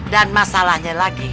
dan masalahnya lagi